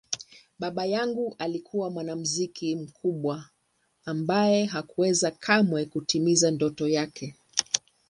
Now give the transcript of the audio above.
Baba yangu alikuwa mwanamuziki mkubwa ambaye hakuweza kamwe kutimiza ndoto yake.